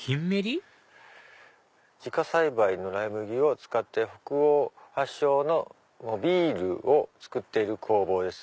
「自家栽培のライ麦を使って北欧発祥のモビールを作っている工房です。